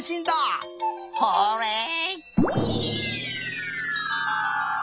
ホーレイ！